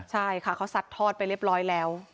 ใช่ค่ะเขาสัดทอดไปเรียบร้อยแล้ว